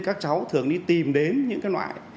các cháu thường đi tìm đến những cái loại